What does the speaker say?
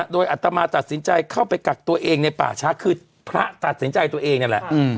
โดยอัตมาตัดสินใจเข้าไปกักตัวเองในป่าช้าคือพระตัดสินใจตัวเองนี่แหละ